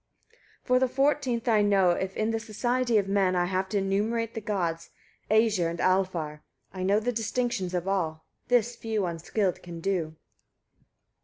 161. For the fourteenth I know, if in the society of men I have to enumerate the gods, Æsir and Alfar, I know the distinctions of all. This few unskilled can do.